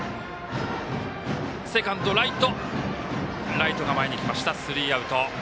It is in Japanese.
ライトが前に来ましたスリーアウト。